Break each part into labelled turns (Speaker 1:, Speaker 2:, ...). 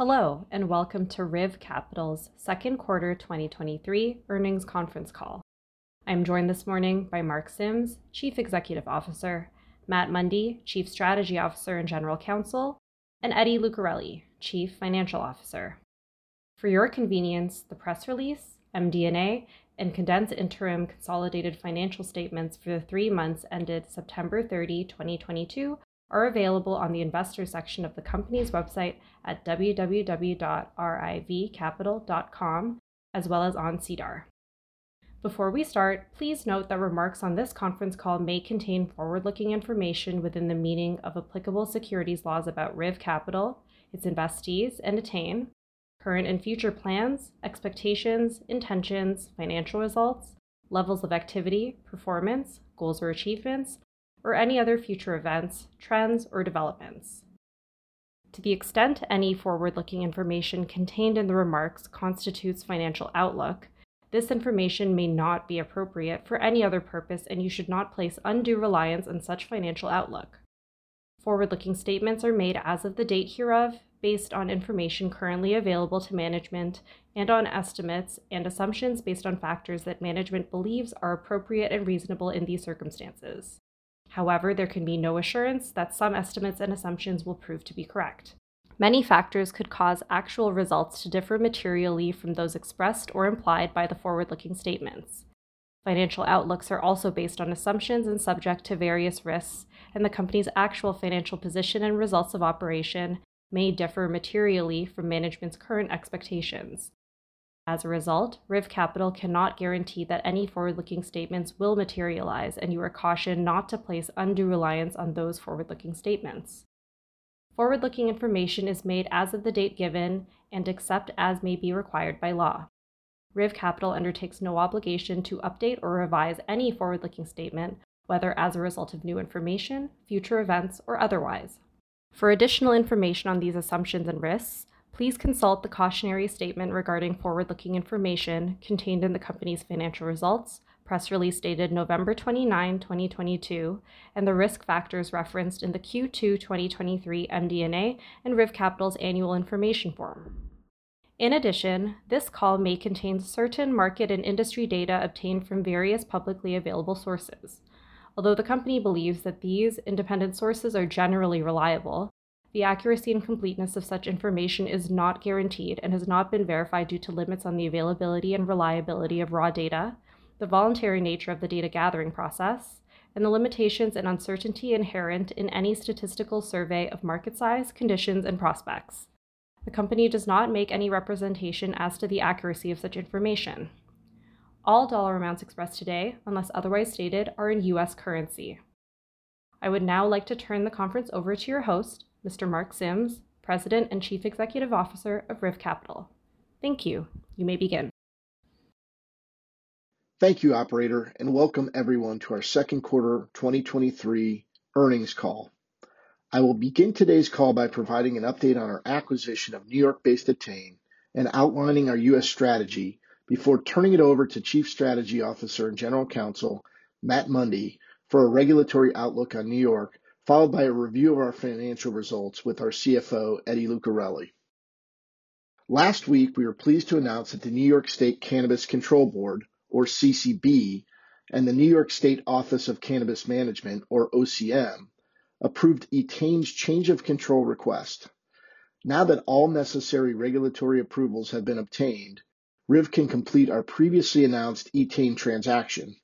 Speaker 1: Welcome to RIV Capital's Second Quarter 2023 Earnings Conference call. I'm joined this morning by Mark Sims, Chief Executive Officer, Matt Mundy, Chief Strategy Officer and General Counsel, and Eddie Lucarelli, Chief Financial Officer. For your convenience, the press release, MD&A, and condensed interim consolidated financial statements for the three months ended September 30, 2022, are available on the investors section of the company's website at www.rivcapital.com as well as on SEDAR. Before we start, please note that remarks on this conference call may contain forward-looking information within the meaning of applicable securities laws about RIV Capital, its investees and Etain, current and future plans, expectations, intentions, financial results, levels of activity, performance, goals, or achievements, or any other future events, trends, or developments. To the extent any forward-looking information contained in the remarks constitutes financial outlook, this information may not be appropriate for any other purpose, and you should not place undue reliance on such financial outlook. Forward-looking statements are made as of the date hereof based on information currently available to management and on estimates and assumptions based on factors that management believes are appropriate and reasonable in these circumstances. However, there can be no assurance that some estimates and assumptions will prove to be correct. Many factors could cause actual results to differ materially from those expressed or implied by the forward-looking statements. Financial outlooks are also based on assumptions and subject to various risks, and the company's actual financial position and results of operation may differ materially from management's current expectations. As a result, RIV Capital cannot guarantee that any forward-looking statements will materialize. You are cautioned not to place undue reliance on those forward-looking statements. Forward-looking information is made as of the date given. Except as may be required by law, RIV Capital undertakes no obligation to update or revise any forward-looking statement, whether as a result of new information, future events, or otherwise. For additional information on these assumptions and risks, please consult the cautionary statement regarding forward-looking information contained in the company's financial results, press release dated November 29, 2022, and the risk factors referenced in the Q2 2023 MD&A and RIV Capital's annual information form. This call may contain certain market and industry data obtained from various publicly available sources. Although the company believes that these independent sources are generally reliable, the accuracy and completeness of such information is not guaranteed and has not been verified due to limits on the availability and reliability of raw data, the voluntary nature of the data gathering process, and the limitations and uncertainty inherent in any statistical survey of market size, conditions, and prospects. The company does not make any representation as to the accuracy of such information. All dollar amounts expressed today, unless otherwise stated, are in U.S. currency. I would now like to turn the conference over to your host, Mr. Mark Sims, President and Chief Executive Officer of RIV Capital. Thank you. You may begin.
Speaker 2: Thank you, operator, welcome everyone to our Second Quarter 2023 Earnings Call. I will begin today's call by providing an update on our acquisition of New York-based Etain and outlining our U.S. strategy before turning it over to Chief Strategy Officer and General Counsel, Matt Mundy, for a regulatory outlook on New York, followed by a review of our financial results with our CFO, Eddie Lucarelli. Last week, we were pleased to announce that the New York State Cannabis Control Board, or CCB, and the New York State Office of Cannabis Management, or OCM, approved Etain's change of control request. Now that all necessary regulatory approvals have been obtained, RIV can complete our previously announced Etain transaction.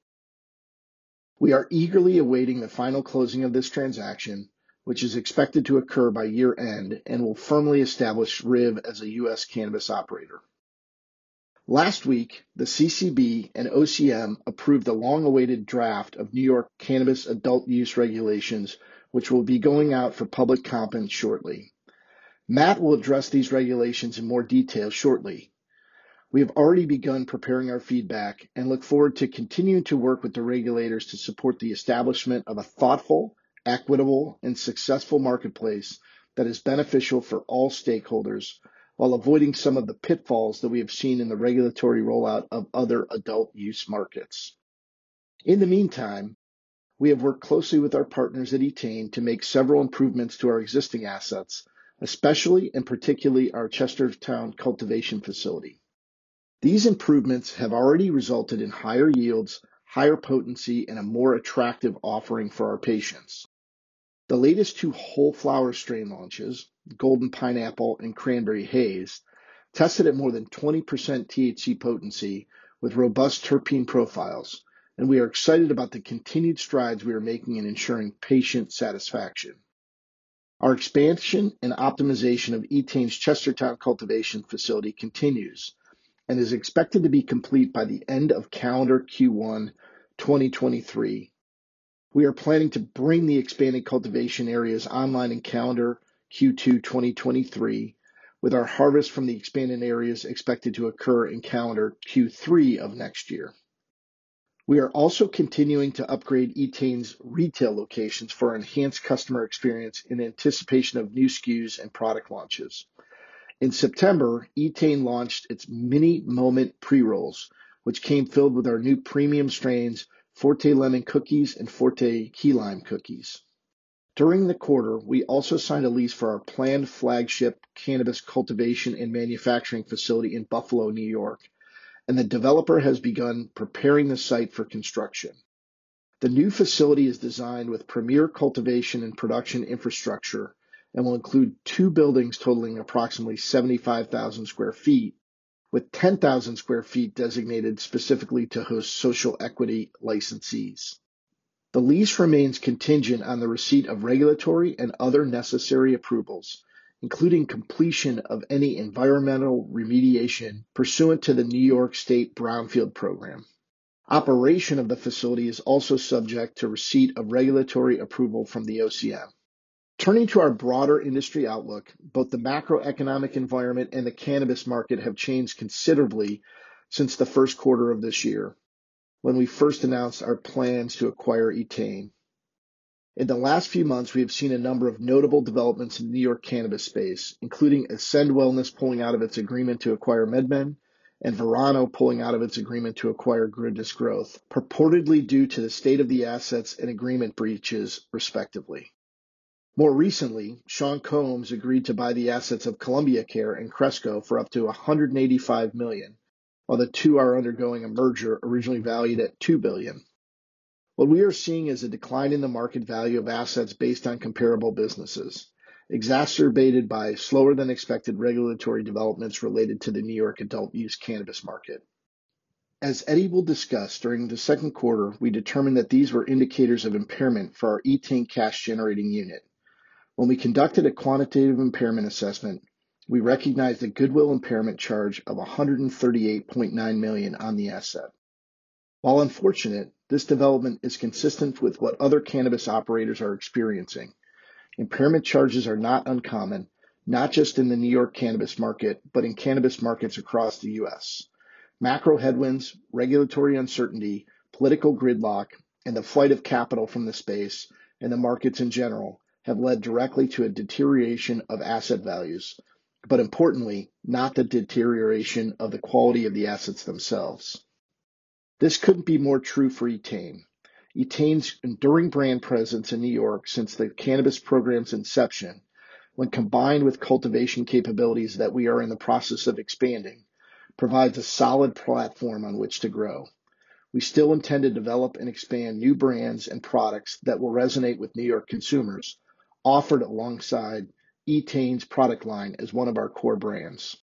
Speaker 2: We are eagerly awaiting the final closing of this transaction, which is expected to occur by year-end and will firmly establish RIV as a U.S. cannabis operator. Last week, the CCB and OCM approved the long-awaited draft of New York cannabis adult use regulations, which will be going out for public comment shortly. Matt will address these regulations in more detail shortly. We have already begun preparing our feedback and look forward to continuing to work with the regulators to support the establishment of a thoughtful, equitable, and successful marketplace that is beneficial for all stakeholders while avoiding some of the pitfalls that we have seen in the regulatory rollout of other adult use markets. In the meantime, we have worked closely with our partners at Etain to make several improvements to our existing assets, especially and particularly our Chestertown cultivation facility. These improvements have already resulted in higher yields, higher potency, and a more attractive offering for our patients. The latest two whole flower strain launches, Golden Pineapple and Cranberry Haze, tested at more than 20% THC potency with robust terpene profiles, and we are excited about the continued strides we are making in ensuring patient satisfaction. Our expansion and optimization of Etain's Chestertown cultivation facility continues and is expected to be complete by the end of calendar Q1 2023. We are planning to bring the expanded cultivation areas online in calendar Q2 2023, with our harvest from the expanded areas expected to occur in calendar Q3 of next year. We are also continuing to upgrade Etain's retail locations for enhanced customer experience in anticipation of new SKUs and product launches. In September, Etain launched its Mini Moment pre-rolls, which came filled with our new premium strains, Forte Lemon Cookies and Forte Key Lime Cookies. During the quarter, we also signed a lease for our planned flagship cannabis cultivation and manufacturing facility in Buffalo, New York, and the developer has begun preparing the site for construction. The new facility is designed with premier cultivation and production infrastructure and will include two buildings totaling approximately 75 sq. ft., with 10,000 sq. ft. designated specifically to host social equity licensees. The lease remains contingent on the receipt of regulatory and other necessary approvals, including completion of any environmental remediation pursuant to the New York State Brownfield Program. Operation of the facility is also subject to receipt of regulatory approval from the OCM. Turning to our broader industry outlook, both the macroeconomic environment and the cannabis market have changed considerably since the first quarter of this year when we first announced our plans to acquire Etain. In the last few months, we have seen a number of notable developments in New York cannabis space, including Ascend Wellness pulling out of its agreement to acquire MedMen and Verano pulling out of its agreement to acquire Goodness Growth Holdings, purportedly due to the state of the assets and agreement breaches, respectively. More recently, Sean Combs agreed to buy the assets of Columbia Care and Cresco for up to $185 million, while the two are undergoing a merger originally valued at $2 billion. What we are seeing is a decline in the market value of assets based on comparable businesses, exacerbated by slower than expected regulatory developments related to the New York adult use cannabis market. As Eddie will discuss, during the second quarter, we determined that these were indicators of impairment for our Etain cash-generating unit. When we conducted a quantitative impairment assessment, we recognized a goodwill impairment charge of $138.9 million on the asset. While unfortunate, this development is consistent with what other cannabis operators are experiencing. Impairment charges are not uncommon, not just in the New York cannabis market, but in cannabis markets across the U.S. Macro headwinds, regulatory uncertainty, political gridlock, and the flight of capital from the space and the markets in general have led directly to a deterioration of asset values, but importantly, not the deterioration of the quality of the assets themselves. This couldn't be more true for Etain. Etain's enduring brand presence in New York since the cannabis program's inception, when combined with cultivation capabilities that we are in the process of expanding, provides a solid platform on which to grow. We still intend to develop and expand new brands and products that will resonate with New York consumers, offered alongside Etain's product line as one of our core brands.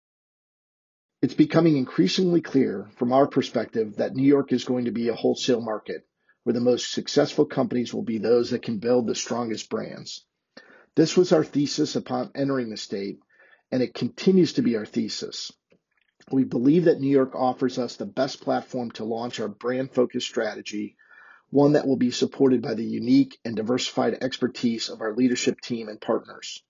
Speaker 2: It's becoming increasingly clear from our perspective that New York is going to be a wholesale market, where the most successful companies will be those that can build the strongest brands. This was our thesis upon entering the state, and it continues to be our thesis. We believe that New York offers us the best platform to launch our brand-focused strategy, one that will be supported by the unique and diversified expertise of our leadership team and partners.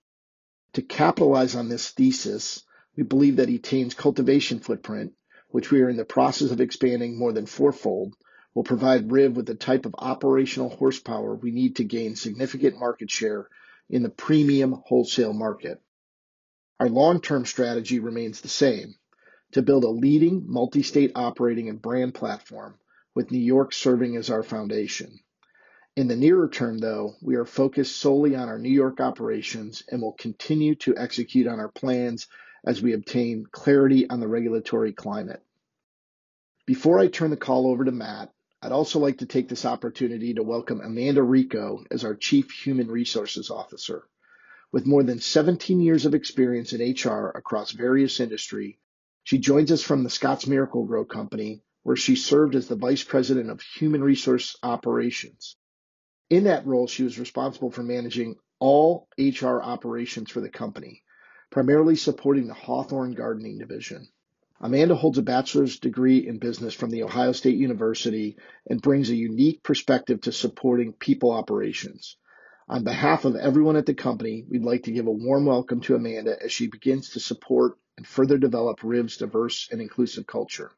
Speaker 2: To capitalize on this thesis, we believe that Etain's cultivation footprint, which we are in the process of expanding more than four fold, will provide RIV with the type of operational horsepower we need to gain significant market share in the premium wholesale market. Our long-term strategy remains the same, to build a leading multi-state operating and brand platform, with New York serving as our foundation. In the nearer term, though, we are focused solely on our New York operations and will continue to execute on our plans as we obtain clarity on the regulatory climate. Before I turn the call over to Matt, I'd also like to take this opportunity to welcome Amanda Rico as our Chief Human Resources Officer. With more than 17 years of experience in HR across various industry, she joins us from The Scotts Miracle-Gro Company, where she served as the Vice President of Human Resource Operations. In that role, she was responsible for managing all HR operations for the company, primarily supporting The Hawthorne Gardening Division. Amanda holds a bachelor's degree in business from The Ohio State University and brings a unique perspective to supporting people operations. On behalf of everyone at the company, we'd like to give a warm welcome to Amanda as she begins to support and further develop RIV's diverse and inclusive culture.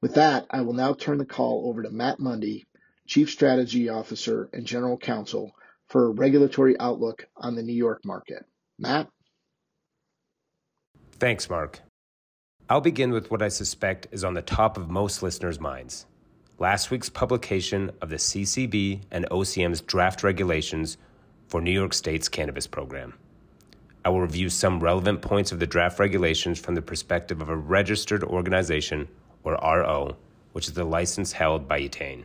Speaker 2: With that, I will now turn the call over to Matt Mundy, Chief Strategy Officer and General Counsel, for a regulatory outlook on the New York market. Matt?
Speaker 3: Thanks, Mark. I'll begin with what I suspect is on the top of most listeners' minds, last week's publication of the CCB and OCM's draft regulations for New York State's cannabis program. I will review some relevant points of the draft regulations from the perspective of a registered organization, or RO, which is the license held by Etain.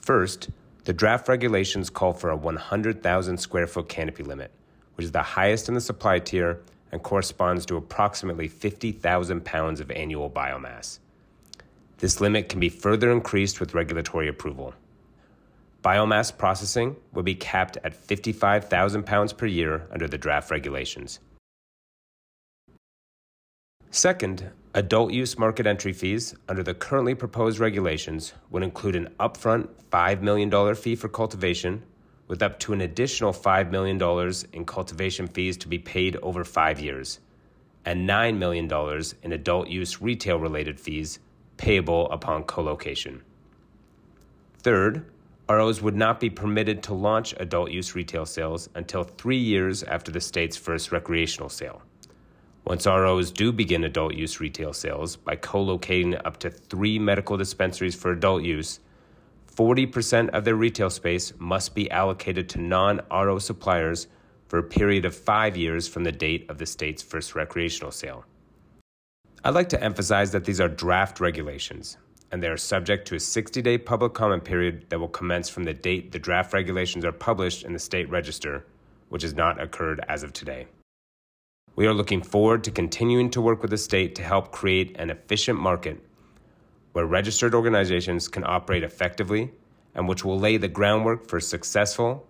Speaker 3: First, the draft regulations call for a 100,000 sq. ft. canopy limit, which is the highest in the supply tier and corresponds to approximately 50,000 lbs of annual biomass. This limit can be further increased with regulatory approval. Biomass processing will be capped at 55,000 lbs per year under the draft regulations. Second, adult use market entry fees under the currently proposed regulations would include an upfront $5 million fee for cultivation, with up to an additional $5 million in cultivation fees to be paid over five years, and $9 million in adult use retail-related fees payable upon colocation. Third, ROs would not be permitted to launch adult use retail sales until three years after the state's first recreational sale. Once ROs do begin adult use retail sales by co-locating up to three medical dispensaries for adult use, 40% of their retail space must be allocated to non-RO suppliers for a period of five years from the date of the state's first recreational sale. I'd like to emphasize that these are draft regulations, and they are subject to a 60-day public comment period that will commence from the date the draft regulations are published in the State Register, which has not occurred as of today. We are looking forward to continuing to work with the State to help create an efficient market where registered organizations can operate effectively and which will lay the groundwork for a successful,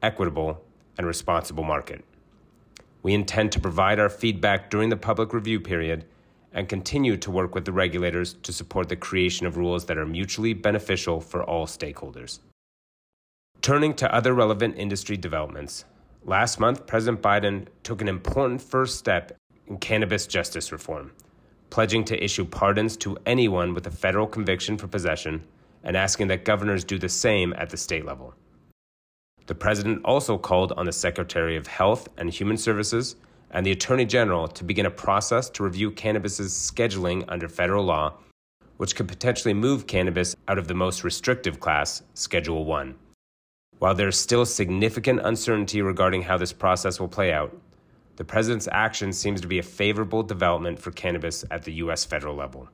Speaker 3: equitable, and responsible market. We intend to provide our feedback during the public review period and continue to work with the regulators to support the creation of rules that are mutually beneficial for all stakeholders. Turning to other relevant industry developments, last month, Joe Biden took an important first step in cannabis justice reform, pledging to issue pardons to anyone with a federal conviction for possession and asking that governors do the same at the state level. The President also called on the Secretary of Health and Human Services and the Attorney General to begin a process to review cannabis' scheduling under federal law, which could potentially move cannabis out of the most restrictive class, Schedule I. While there is still significant uncertainty regarding how this process will play out, the President's action seems to be a favorable development for cannabis at the U.S. federal level.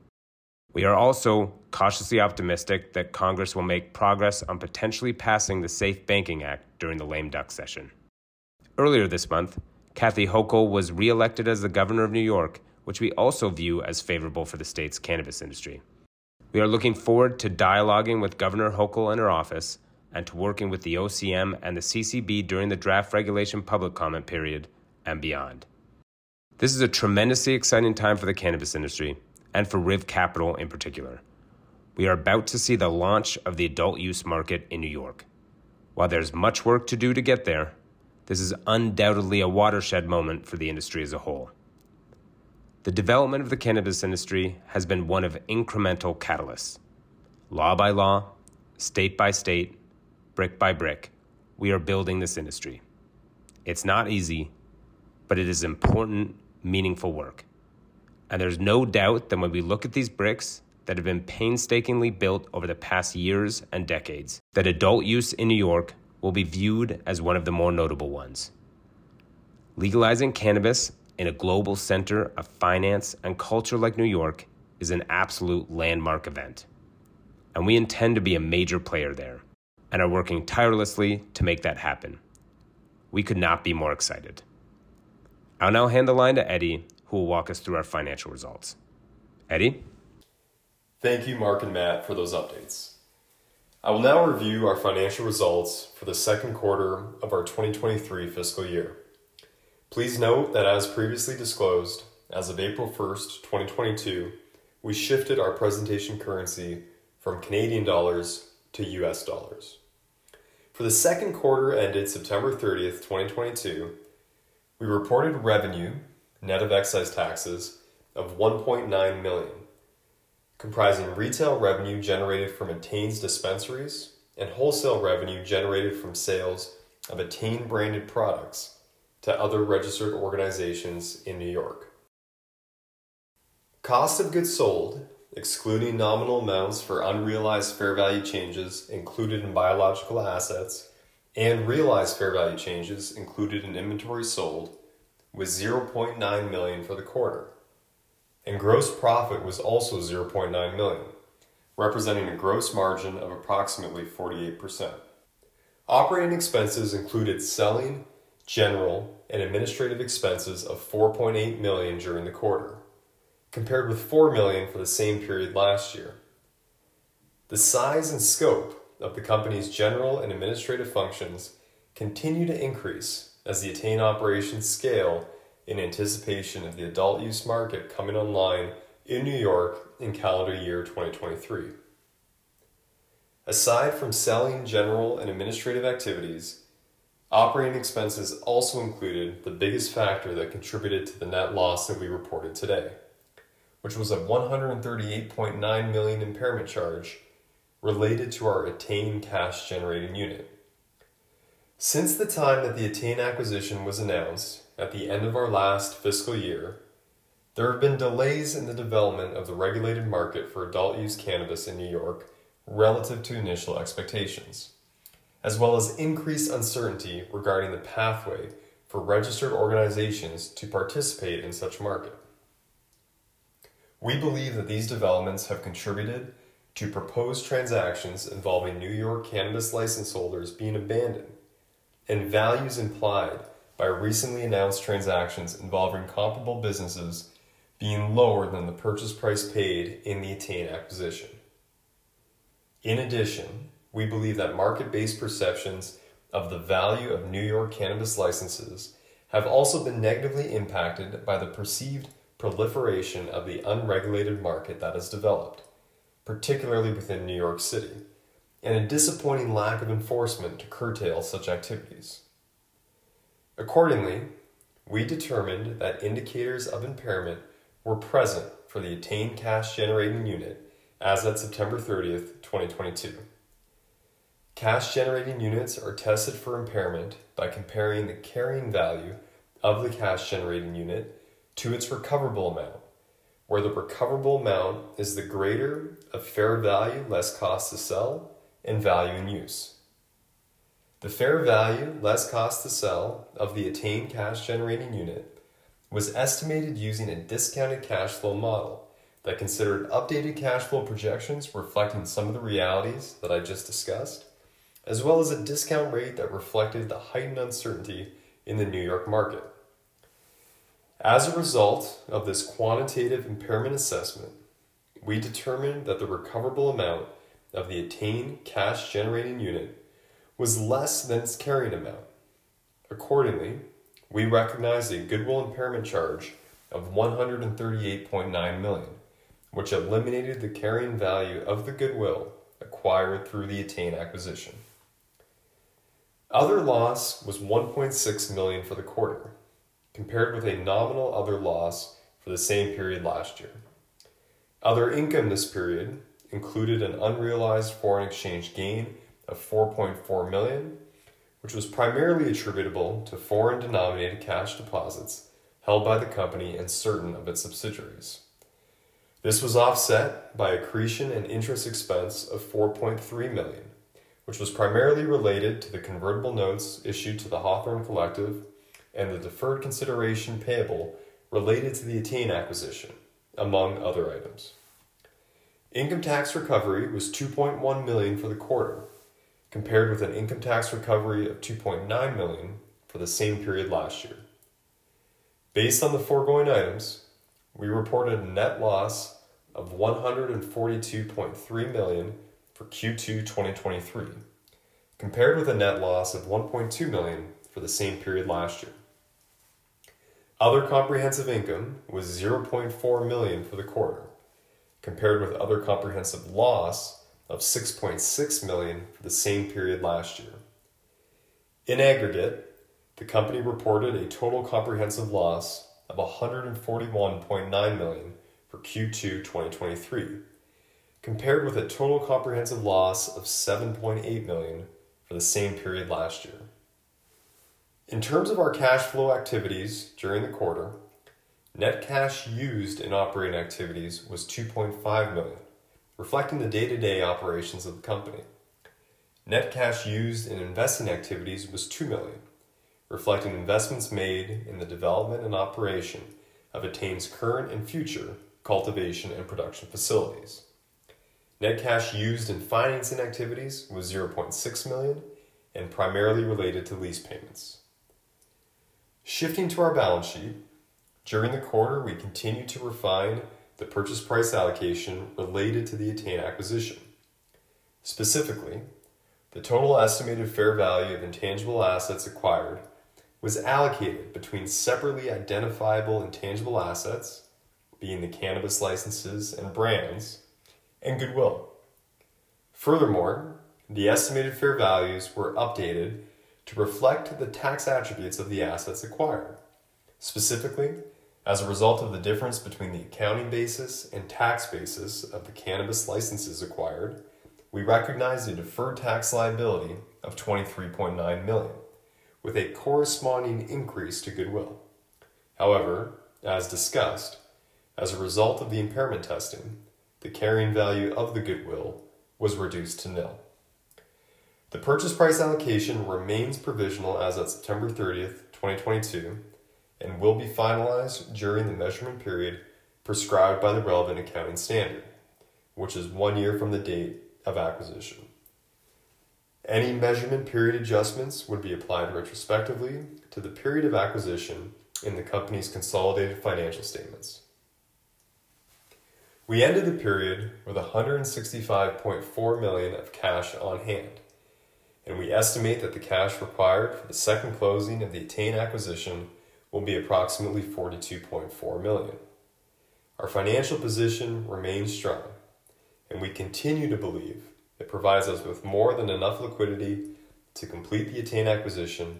Speaker 3: We are also cautiously optimistic that Congress will make progress on potentially passing the SAFE Banking Act during the lame duck session. Earlier this month, Kathy Hochul was reelected as the Governor of New York, which we also view as favorable for the state's cannabis industry. We are looking forward to dialoguing with Governor Hochul and her office and to working with the OCM and the CCB during the draft regulation public comment period and beyond. This is a tremendously exciting time for the cannabis industry and for RIV Capital in particular. We are about to see the launch of the adult use market in New York. While there's much work to do to get there, this is undoubtedly a watershed moment for the industry as a whole. The development of the cannabis industry has been one of incremental catalysts. Law by law, state by state, brick by brick, we are building this industry. It's not easy, but it is important, meaningful work. There's no doubt that when we look at these bricks that have been painstakingly built over the past years and decades, that adult use in New York will be viewed as one of the more notable ones. Legalizing cannabis in a global center of finance and culture like New York is an absolute landmark event, and we intend to be a major player there and are working tirelessly to make that happen. We could not be more excited. I'll now hand the line to Eddie, who will walk us through our financial results. Eddie?
Speaker 4: Thank you, Mark and Matt, for those updates. I will now review our financial results for the second quarter of our 2023 fiscal year. Please note that as previously disclosed, as of April 1, 2022, we shifted our presentation currency from Canadian dollars to U.S. dollars. For the second quarter ended September 30, 2022, we reported revenue net of excise taxes of $1.9 million, comprising retail revenue generated from Etain's dispensaries and wholesale revenue generated from sales of Etain-branded products to other registered organizations in New York. Cost of goods sold, excluding nominal amounts for unrealized fair value changes included in biological assets and realized fair value changes included in inventory sold, was $0.9 million for the quarter, and gross profit was also $0.9 million, representing a gross margin of approximately 48%. Operating expenses included selling, general, and administrative expenses of $4.8 million during the quarter, compared with $4 million for the same period last year. The size and scope of the company's general and administrative functions continue to increase as the Etain operations scale in anticipation of the adult use market coming online in New York in calendar year 2023. Aside from selling, general, and administrative activities, operating expenses also included the biggest factor that contributed to the net loss that we reported today, which was a $138.9 million impairment charge related to our Etain cash-generating unit. Since the time that the Etain acquisition was announced at the end of our last fiscal year, there have been delays in the development of the regulated market for adult-use cannabis in New York relative to initial expectations, as well as increased uncertainty regarding the pathway for registered organizations to participate in such market. We believe that these developments have contributed to proposed transactions involving New York cannabis license holders being abandoned and values implied by recently announced transactions involving comparable businesses being lower than the purchase price paid in the Etain acquisition. In addition, we believe that market-based perceptions of the value of New York cannabis licenses have also been negatively impacted by the perceived proliferation of the unregulated market that has developed, particularly within New York City, and a disappointing lack of enforcement to curtail such activities. Accordingly, we determined that indicators of impairment were present for the Etain cash-generating unit as of September 30th, 2022. Cash-generating units are tested for impairment by comparing the carrying value of the cash-generating unit to its recoverable amount, where the recoverable amount is the greater of fair value less cost to sell and value in use. The fair value less cost to sell of the Etain cash-generating unit was estimated using a discounted cash flow model that considered updated cash flow projections reflecting some of the realities that I just discussed, as well as a discount rate that reflected the heightened uncertainty in the New York market. As a result of this quantitative impairment assessment, we determined that the recoverable amount of the Etain cash-generating unit was less than its carrying amount. Accordingly, we recognized a goodwill impairment charge of $138.9 million, which eliminated the carrying value of the goodwill acquired through the Etain acquisition. Other loss was $1.6 million for the quarter, compared with a nominal other loss for the same period last year. Other income this period included an unrealized foreign exchange gain of $4.4 million, which was primarily attributable to foreign-denominated cash deposits held by the company and certain of its subsidiaries. This was offset by accretion and interest expense of $4.3 million, which was primarily related to the convertible notes issued to the Hawthorne Collective and the deferred consideration payable related to the Etain acquisition, among other items. Income tax recovery was $2.1 million for the quarter, compared with an income tax recovery of $2.9 million for the same period last year. Based on the foregoing items, we reported a net loss of $142.3 million for Q2 2023, compared with a net loss of $1.2 million for the same period last year. Other comprehensive income was $0.4 million for the quarter, compared with other comprehensive loss of $6.6 million for the same period last year. In aggregate, the company reported a total comprehensive loss of $141.9 million for Q2 2023, compared with a total comprehensive loss of $7.8 million for the same period last year. In terms of our cash flow activities during the quarter, net cash used in operating activities was $2.5 million, reflecting the day-to-day operations of the company. Net cash used in investing activities was $2 million, reflecting investments made in the development and operation of Etain's current and future cultivation and production facilities. Net cash used in financing activities was $0.6 million and primarily related to lease payments. Shifting to our balance sheet, during the quarter, we continued to refine the purchase price allocation related to the Etain acquisition. Specifically, the total estimated fair value of intangible assets acquired was allocated between separately identifiable intangible assets, being the cannabis licenses and brands, and goodwill. Furthermore, the estimated fair values were updated to reflect the tax attributes of the assets acquired. Specifically, as a result of the difference between the accounting basis and tax basis of the cannabis licenses acquired, we recognized a deferred tax liability of $23.9 million, with a corresponding increase to goodwill. However, as discussed, as a result of the impairment testing, the carrying value of the goodwill was reduced to nil. The purchase price allocation remains provisional as of September 30, 2022, and will be finalized during the measurement period prescribed by the relevant accounting standard, which is one year from the date of acquisition. Any measurement period adjustments would be applied retrospectively to the period of acquisition in the company's consolidated financial statements. We ended the period with $165.4 million of cash on hand, and we estimate that the cash required for the second closing of the Etain acquisition will be approximately $42.4 million. Our financial position remains strong, and we continue to believe it provides us with more than enough liquidity to complete the Etain acquisition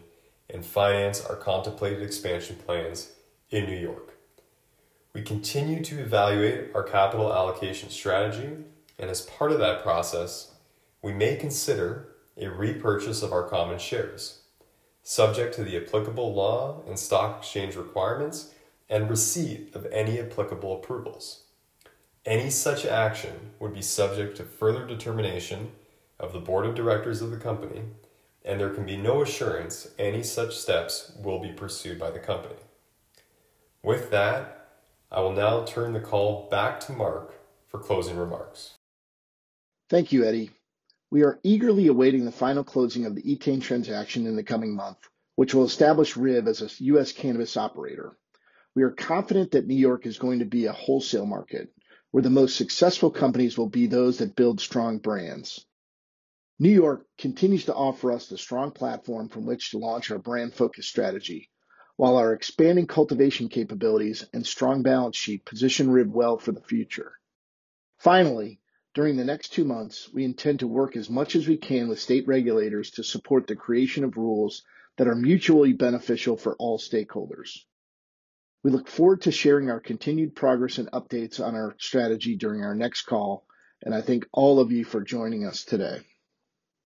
Speaker 4: and finance our contemplated expansion plans in New York. We continue to evaluate our capital allocation strategy, and as part of that process, we may consider a repurchase of our common shares, subject to the applicable law and stock exchange requirements and receipt of any applicable approvals. Any such action would be subject to further determination of the board of directors of the company, and there can be no assurance any such steps will be pursued by the company. With that, I will now turn the call back to Mark for closing remarks.
Speaker 2: Thank you, Eddie. We are eagerly awaiting the final closing of the Etain transaction in the coming month, which will establish RIV as a U.S. cannabis operator. We are confident that New York is going to be a wholesale market, where the most successful companies will be those that build strong brands. New York continues to offer us the strong platform from which to launch our brand-focused strategy, while our expanding cultivation capabilities and strong balance sheet position RIV well for the future. Finally, during the next two months, we intend to work as much as we can with state regulators to support the creation of rules that are mutually beneficial for all stakeholders. We look forward to sharing our continued progress and updates on our strategy during our next call, and I thank all of you for joining us today.